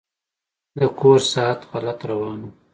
د کور ساعت غلط روان و.